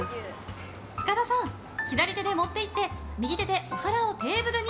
塚田さん、左手で持って行って右手でお皿をテーブルに。